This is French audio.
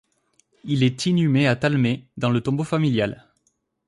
Il est inhumé à Talmay, dans le tombeau familial.